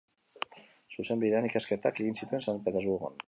Zuzenbidean ikasketak egin zituen San Petersburgon.